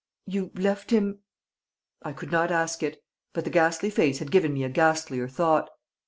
"You left him " I could not ask it. But the ghastly face had given me a ghastlier thought.